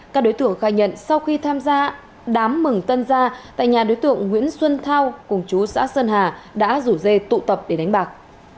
các đối tượng khai nhận sau khi tham gia đám mừng tân gia tại nhà đối tượng nguyễn xuân thao cùng chú xã sơn hà đã rủ dê tụ tập để đánh bạc